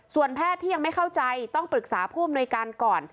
ส่วนแพทย์ที่ยังไม่เข้าใจต้องปรึกษาภูมิในการก่อน